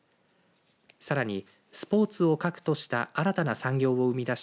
さらにスポーツを核とした新たな産業を生み出し